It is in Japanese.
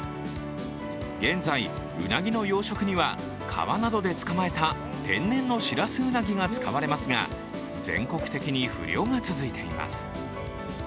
現在、ウナギの養殖には川などで捕まえた天然のシラスウナギが使われますが、全国的に不漁が続いています。